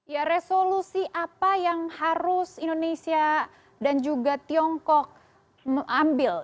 ya resolusi apa yang harus indonesia dan juga tiongkok ambil